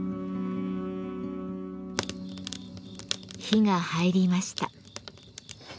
火が入りました。